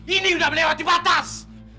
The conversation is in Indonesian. ini udah melewati batas